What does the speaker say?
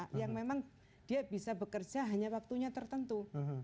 karena memang dia bisa bekerja hanya waktunya tertentu